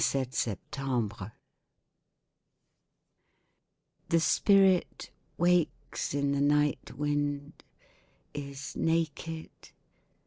(21 septembre) The spirit wakes in the night wind— is naked.